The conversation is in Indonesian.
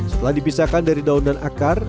setelah dipisahkan dari daun dan akar